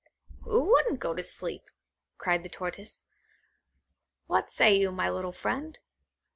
"Who wouldn't go to sleep?" cried the Tortoise; "what say you, my little friend?